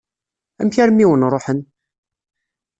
Amek armi i wen-ṛuḥen?